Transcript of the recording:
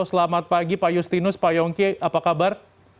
selamat pagi pak justinus pak yongki apa kabar